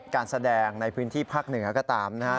การแสดงในพื้นที่พักเหนือก็ตามนะฮะ